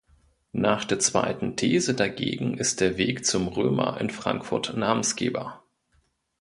Nach der zweiten These dagegen ist der Weg zum „Römer“ in Frankfurt Namensgeber.